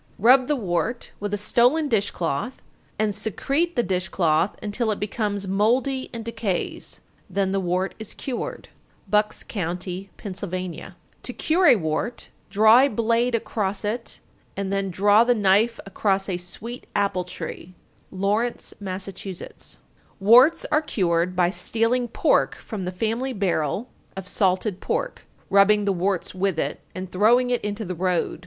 _ 899. Rub the wart with a stolen dish cloth, and secrete the dish cloth until it becomes mouldy and decays, then the wart is cured. Bucks Co., Pa. 900. To cure a wart: Draw a blade across it, and then draw the knife across a sweet apple tree. Lawrence, Mass. 901. Warts are cured by stealing pork from the family barrel of salted pork, rubbing the warts with it, and throwing it into the road.